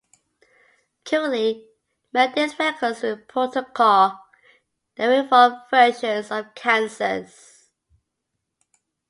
Currently, Meredith records with Proto Kaw, the reformed version of Kansas.